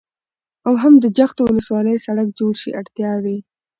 او هم د جغتو ولسوالۍ سړك جوړ شي. اړتياوې: